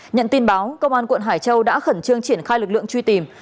nhận tin báo công an quận hải châu đã khẩn trương triển khai lực lượng truy tìm